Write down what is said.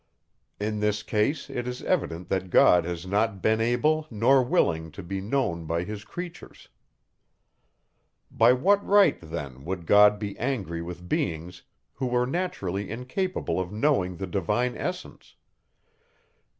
In this case, it is evident, that God has not been able nor willing to be known by his creatures. By what right then would God be angry with beings, who were naturally incapable of knowing the divine essence?